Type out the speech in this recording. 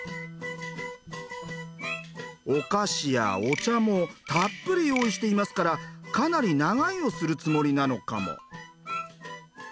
お菓子やお茶もたっぷり用意していますからかなり長居をするつもりなのかも。